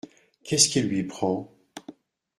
Qu'est-ce qui lui prend ?